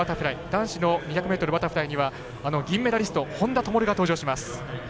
男子２００ｍバタフライには銀メダル、本多灯が登場します。